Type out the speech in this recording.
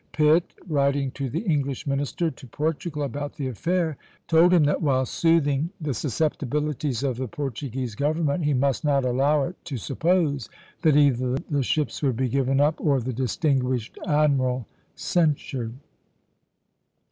Pitt, writing to the English minister to Portugal about the affair, told him that while soothing the susceptibilities of the Portuguese government he must not allow it to suppose that either the ships would be given up or the distinguished admiral censured.